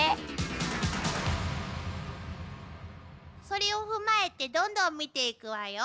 それを踏まえてどんどん見ていくわよ。